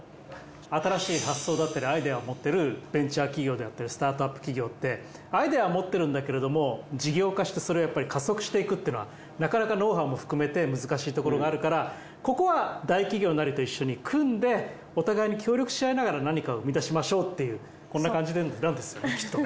新しい発想だったりアイデアを持ってるベンチャー企業であったりスタートアップ企業ってアイデア持ってるんだけれども事業化してそれを加速していくっていうのはなかなかノウハウも含めて難しいところがあるからここは大企業なりと一緒に組んでお互いに協力し合いながら何か生み出しましょうっていうこんな感じなんですよねきっとね。